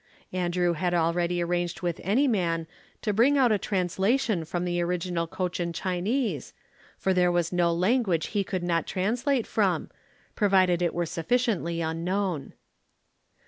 Andrew had already arranged with Anyman to bring out a translation from the original Cochin Chinese, for there was no language he could not translate from, provided it were sufficiently unknown.